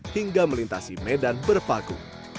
hingga melintasi medan berpaku